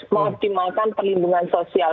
mengoptimalkan perlindungan sosial